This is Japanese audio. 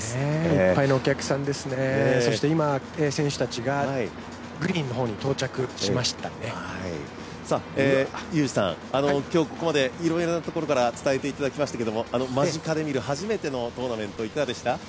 いっぱいのお客さんですね、そして今選手たちが今日ここまでいろいろなところから伝えていただきましたけど間近で見る初めてのトーナメントいかがでした？